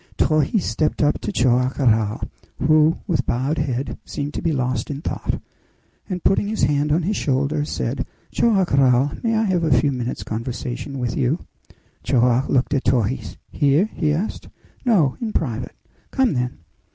Torres stepped up to Joam Garral, who, with bowed head, seemed to be lost in thought, and putting his hand on his shoulder, said, "Joam Garral, may I have a few minutes' conversation with you?" Joam looked at Torres. "Here?" he asked. "No; in private." "Come, then."